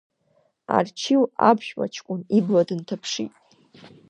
Арчил аԥшәма ҷкәын ибла дынҭаԥшит.